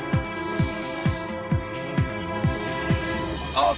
あっ！